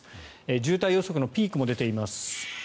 渋滞予測のピークも出ています。